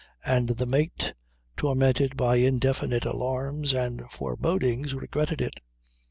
And the mate, tormented by indefinite alarms and forebodings, regretted it.